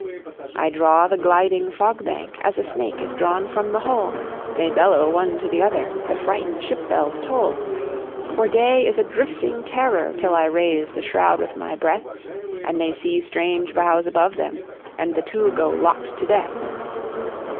"I draw the gliding fog bank as a snake is drawn from the hole; They bellow one to the other, the frightened ship bells toll, For day is a drifting terror till I raise the shroud with my breath, And they see strange bows above them and the two go locked to death.